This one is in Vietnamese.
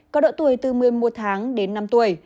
có độ tuổi từ một mươi một tháng đến năm tuổi